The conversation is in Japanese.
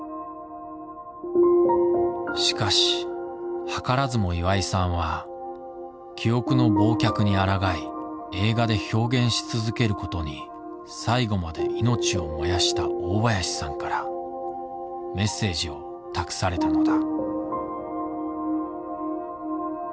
しかし図らずも岩井さんは記憶の忘却にあらがい映画で表現し続けることに最後まで命を燃やした大林さんからメッセージを託されたのだ。